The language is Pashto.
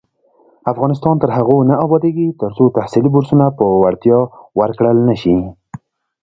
افغانستان تر هغو نه ابادیږي، ترڅو تحصیلي بورسونه په وړتیا ورکړل نشي.